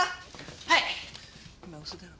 はい！